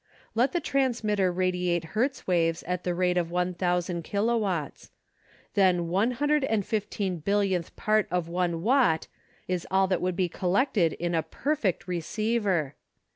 Let the transmitter radi ate Hertz waves at the rate of 1,000 kilo watts. Then about one hundred and fifteen billionth part of one watt is all that would be collected in a perfect receiver.